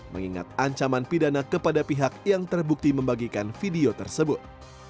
mengingat ancaman pidana kepada pihak yang terbukti membagikan video tersebut